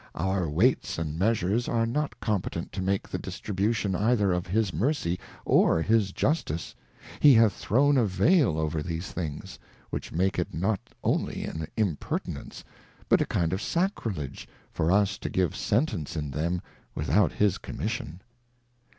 Our Weights and Measures are not competent to make the Distribution either of his Mercy or his Justice : He hath thrown a Veil over these things, which makes it not only an Impertinence, but a kind of Sacrilege, for us to give Sentence in them without his Commission.